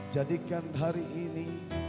jadikan hari ini